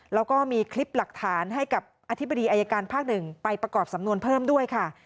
แล้วก็มีคลิปหลักฐานให้กับอธิบดีอายการภาคหนึ่งไปประกอบสำนวนเพิ่มด้วยค่ะ